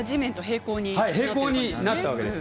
平行になったわけです。